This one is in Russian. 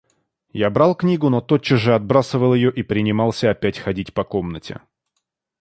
Я брал книгу, но тотчас же отбрасывал её и принимался опять ходить по комнате.